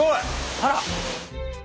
あら！